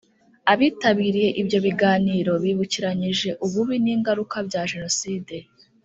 Abitabiriye ibyo biganiro bibukiranyije ububi n ingaruka bya Jenoside